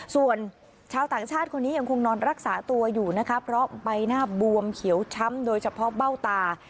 ส่วนชาวต่างชาติคนนี้ยังคงนอนรักษาตัวอยู่นะคะเพราะใบหน้าบวมเขียวช้ำโดยเฉพาะเบ้าตา